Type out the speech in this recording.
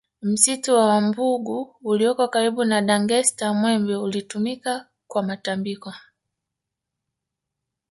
Msitu wa Wambugu ulioko karibu na Dangaseta Mwembe uliotumika kwa matambiko